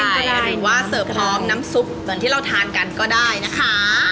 หรือว่าเสิร์ฟพร้อมน้ำซุปเหมือนที่เราทานกันก็ได้นะคะ